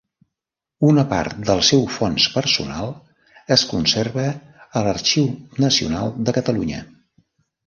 Una part del seu fons personal es conserva a l'Arxiu Nacional de Catalunya.